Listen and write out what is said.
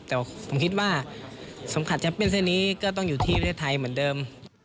แต่ผมคิดว่าสัมผัสแชมปิ้นเส้นนี้ก็ต้องอยู่ที่ประเทศไทยเหมือนเดิม